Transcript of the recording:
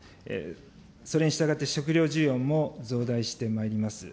それに従って、食料需要も増大してまいります。